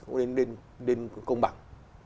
nên công bằng